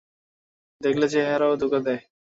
দেখলে, চেহারাও ধোকা দেয়।